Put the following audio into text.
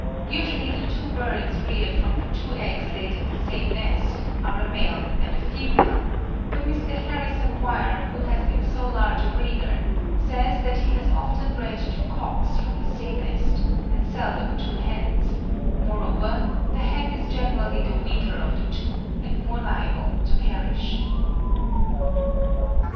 Usually the two birds reared from the two eggs laid in the same nest are a male and a female; but Mr. Harrison Weir, who has been so large a breeder, says that he has often bred two cocks from the same nest, and seldom two hens; moreover, the hen is generally the weaker of the two, and more liable to perish.